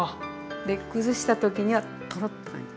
で崩した時にはトロッて感じ。